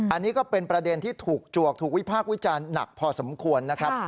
อันนี้ก็เป็นประเด็นที่ถูกจวกถูกวิพากษ์วิจารณ์หนักพอสมควรนะครับ